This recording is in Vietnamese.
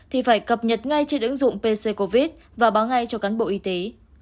thì phải cập nhật ngay trên ứng dụng pc covid và báo ngay cho cán bộ y tế